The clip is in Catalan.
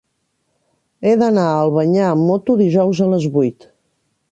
He d'anar a Albanyà amb moto dijous a les vuit.